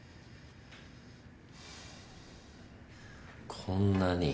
こんなに。